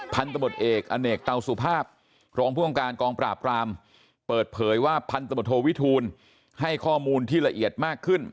พันธบทเอกอเนกเตาสุภาพรองผู้อำการกองปราบรามเปิดเผยว่าพันธบทโทวิทูลให้ข้อมูลที่ละเอียดมากขึ้น